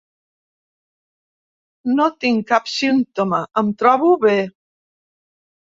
No tinc cap símptoma, em trobo bé.